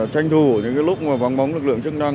tranh thủ những cái lúc mà bóng bóng lực lượng chức năng